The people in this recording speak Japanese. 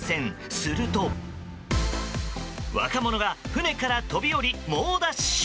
すると、若者が船から飛び降り猛ダッシュ。